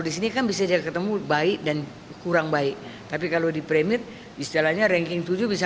di sini kan bisa dia ketemu baik dan kurang baik tapi kalau di premit istilahnya ranking tujuh bisa